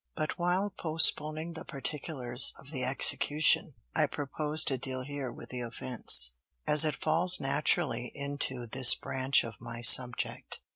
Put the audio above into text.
But while postponing the particulars of the execution, I propose to deal here with the offence, as it falls naturally into this branch of my subject.